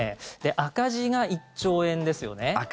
赤字が１兆円ですよね。